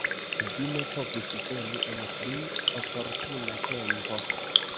Vi ne povis veni en pli oportuna tempo.